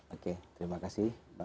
oke terima kasih